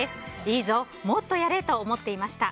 いいぞ、もっとやれと思っていました。